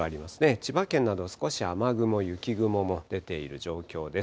千葉県など、少し雨雲、雪雲も出ている状況です。